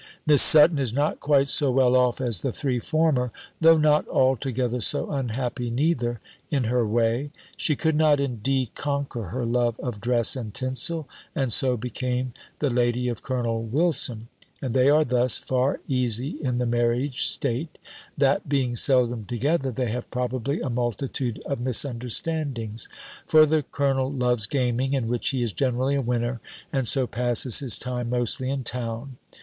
Miss Sutton is not quite so well off as the three former; though not altogether so unhappy neither, in her way. She could not indeed conquer her love of dress and tinsel, and so became the lady of Col. Wilson: and they are thus far easy in the marriage state, that, being seldom together, they have probably a multitude of misunderstandings; for the colonel loves gaming, in which he is generally a winner; and so passes his time mostly in town.